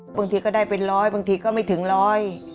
บางทีก็ได้เป็นร้อยบางทีก็ไม่ถึงร้อย